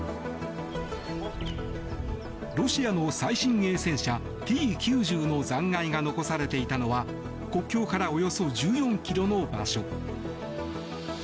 ロシアの最新鋭戦車Ｔ９０の残骸が残されていたのは国境からおよそ１４ｋｍの場所。